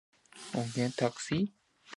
¿Xcoomoj quih tislitx?